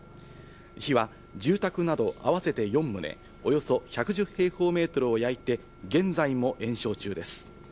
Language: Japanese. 火は住宅など合わせて４棟、およそ１１０平方メートルを焼いて現在も延焼中です。